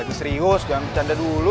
terus jangan bercanda dulu